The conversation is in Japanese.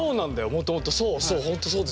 もともとそうそう。